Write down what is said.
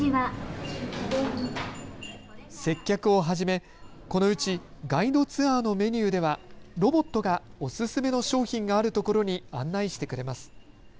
接客を始め、このうちガイドツアーのメニューではロボットがおすすめの商品があるところに案内してくれます。